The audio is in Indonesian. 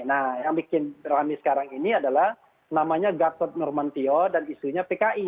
nah yang bikin rame sekarang ini adalah namanya gatot nurmantio dan isunya pki